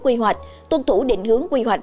quy hoạch tuân thủ định hướng quy hoạch